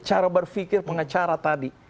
cara berpikir pengacara tadi